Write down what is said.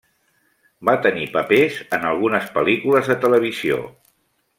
Va tenir papers en algunes pel·lícules de televisió.